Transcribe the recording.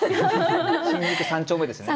新宿三丁目ですね。